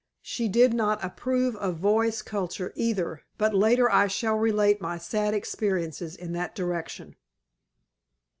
She did not approve of voice culture, either, but later I shall relate my sad experiences in that direction.